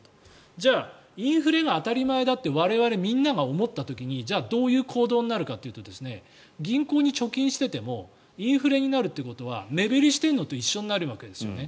じゃあインフレが当たり前だと我々みんなが思った時にじゃあどういう行動になるかというと銀行に貯金しててもインフレになるということは目減りしているのと一緒になるわけですよね。